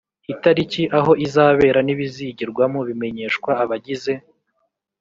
Itariki aho izabera n ibizigirwamo bimenyeshwa abagize